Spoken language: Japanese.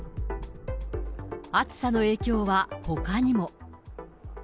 暑さの影響はほかにも。